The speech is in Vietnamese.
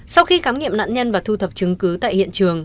sau khi khám nghiệm nạn nhân và thu thập chứng cứ tại hiện trường